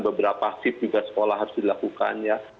beberapa shift juga sekolah harus dilakukan ya